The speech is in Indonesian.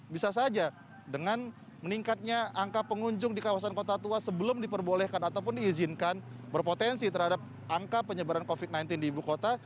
bisa saja dengan meningkatnya angka pengunjung di kawasan kota tua sebelum diperbolehkan ataupun diizinkan berpotensi terhadap angka penyebaran covid sembilan belas di ibu kota